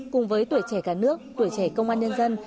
cùng với tuổi trẻ cả nước tuổi trẻ công an nhân dân